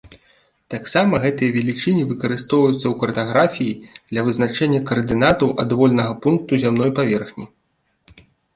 Таксама гэтыя велічыні выкарыстоўваюцца ў картаграфіі для вызначэння каардынатаў адвольнага пункту зямной паверхні.